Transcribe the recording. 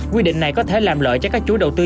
quy định này có thể làm lợi cho các chủ đầu tư